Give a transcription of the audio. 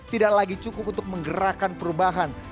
tidak lagi cukup untuk menggerakkan perubahan